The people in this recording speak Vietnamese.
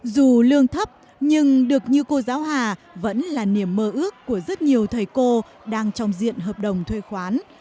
dù lương thấp nhưng được như cô giáo hà vẫn là niềm mơ ước của rất nhiều thầy cô đang trong diện hợp đồng thuê khoán